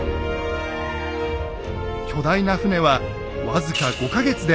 巨大な船は僅か５か月で完成します。